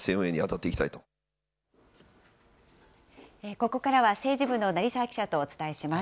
ここからは政治部の成澤記者とお伝えします。